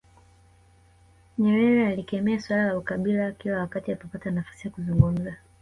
Nyerere alikemea suala la ukabila kila wakati alipopata nafasi ya kuzungumza